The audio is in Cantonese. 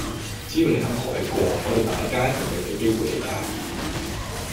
只要你肯改過，我哋大家一定畀機會你㗎